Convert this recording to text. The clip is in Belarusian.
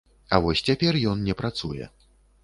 А вось цяпер ён не працуе.